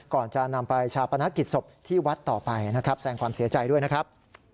ก่อนจะนำไปชาปนากิจสบที่วัดต่อไปนะครับ